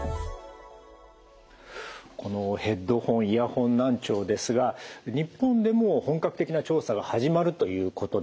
このヘッドホン・イヤホン難聴ですが日本でも本格的な調査が始まるということでした。